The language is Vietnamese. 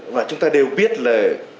và chúng ta đều biết là